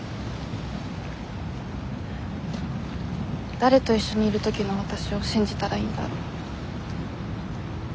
誰と一緒にいる時のわたしを信じたらいいんだろ。